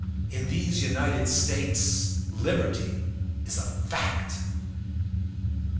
In these United States, liberty is a fact.